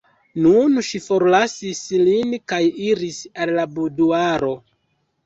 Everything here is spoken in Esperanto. Nun ŝi forlasis lin kaj iris al la buduaro.